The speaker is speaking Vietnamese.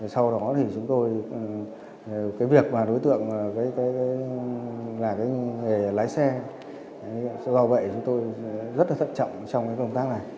sau đó việc đối tượng làm nghề lái xe do vậy chúng tôi rất thận trọng trong công tác này